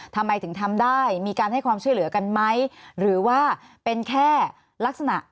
ทำไมถึงทำได้มีการให้ความช่วยเหลือกันไหมหรือว่าเป็นแค่ลักษณะ